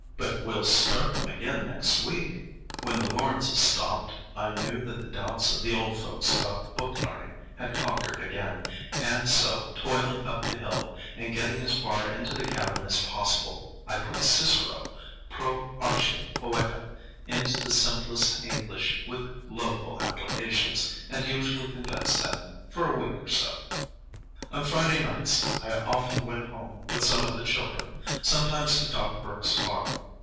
"But we'll start them again next week." When the Lawrences stopped, I knew that the doubts of the old folks about book learning had conquered again, and so, toiling up the hill, and getting as far into the cabin as possible, I put Cicero "pro Archia Poeta" into the simplest English with local applications, and usually convinced them—for a week or so. On Friday nights I often went home with some of the children,—sometimes to Doc Burke's farm.